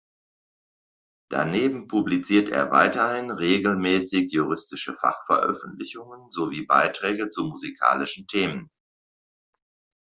Daneben publiziert er weiterhin regelmäßig in juristische Fachveröffentlichungen sowie Beiträge zu musikalischen Themen.